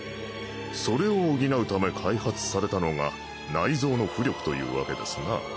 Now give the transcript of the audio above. それを補うため開発されたのが内蔵の巫力というわけですな。